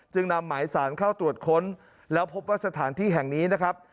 นำหมายสารเข้าตรวจค้นแล้วพบว่าสถานที่แห่งนี้นะครับ